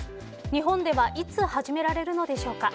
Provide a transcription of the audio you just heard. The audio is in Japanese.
日本ではいつ始められるのでしょうか。